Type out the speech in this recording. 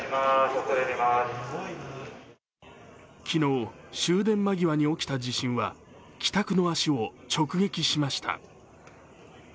昨日、終電間際に起きた地震は帰宅の足を直撃しました。